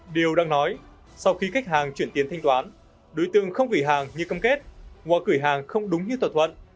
điều đang nói sau khi khách hàng chuyển tiền thanh toán đối tượng không gửi hàng như cam kết hoặc gửi hàng không đúng như thỏa thuận